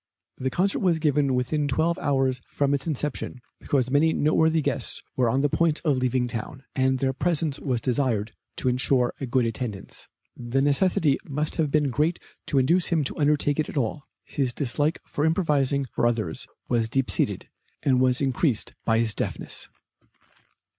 The concert was given within twelve hours from its inception, because many noteworthy guests were on the point of leaving town, and their presence was desired to insure a good attendance. The necessity must have been great to induce him to undertake it at all. His dislike for improvising for others was deep seated, and was increased by his deafness.